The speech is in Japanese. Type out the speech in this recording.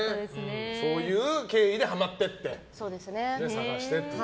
そういう経緯でハマって探してという。